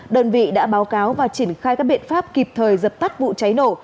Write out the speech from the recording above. đơn vị đã báo cáo và triển khai các biện pháp kịp thời dập tắt vụ cháy nổ